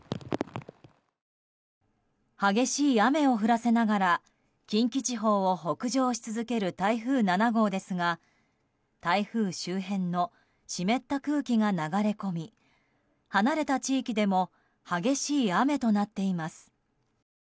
激しい雨を降らせながら近畿地方を北上し続ける台風７号ですが台風周辺の湿った空気が流れ込み離れた地域でも激しい雨となっています。